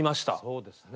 そうですね。